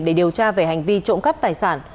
để điều tra về hành vi trộm cắp tài sản